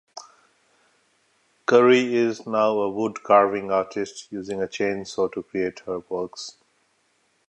Currie is now a wood-carving artist using a chainsaw to create her works.